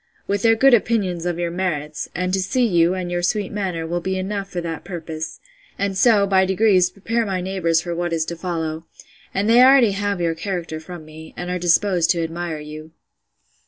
—with their good opinion of your merits: and to see you, and your sweet manner, will be enough for that purpose; and so, by degrees, prepare my neighbours for what is to follow: And they already have your character from me, and are disposed to admire you.